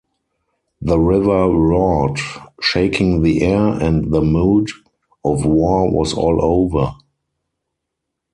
The river roared, shaking the air, and the mood of war was all over.